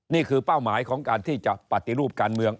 เป้าหมายของการที่จะปฏิรูปการเมือง